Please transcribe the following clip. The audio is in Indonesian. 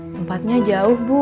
tempatnya jauh bu